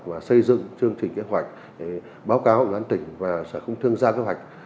và xây dựng chương trình kế hoạch báo cáo của đoàn tỉnh và cũng thương gia kế hoạch